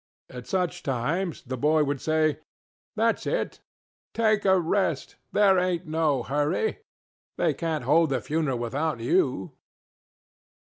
At such times the boy would say: ŌĆ£ThatŌĆÖs it! take a restŌĆöthere ainŌĆÖt no hurry. They canŌĆÖt hold the funeral without YOU.